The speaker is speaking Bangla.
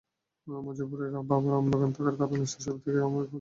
মজিবুরের বাবার আমবাগান থাকার কারণে শৈশব থেকেই আমের প্রতি ভালোবাসা ছিল তাঁর।